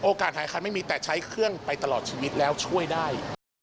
หายคันไม่มีแต่ใช้เครื่องไปตลอดชีวิตแล้วช่วยได้